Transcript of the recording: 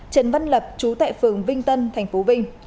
trần văn lập trú tại phường vinh tân tp vinh